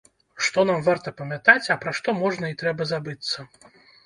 Што нам варта памятаць, а пра што можна і трэба забыцца.